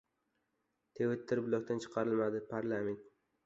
Twitter blokdan chiqarilmadi - Parlament